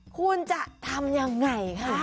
คุณจะทำยังไงคะ